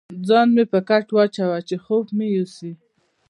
ځان مې پر کټ واچاوه، چې خوب مې یوسي.